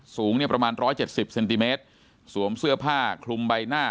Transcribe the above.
สูงเนี้ยประมาณร้อยเจ็ดสิบเซนติเมตรสวมเสื้อผ้าคลุมใบหน้า